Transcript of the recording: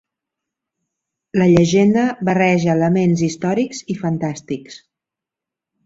La llegenda barreja elements històrics i fantàstics.